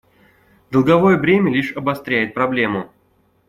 Долговое бремя лишь обостряет проблему.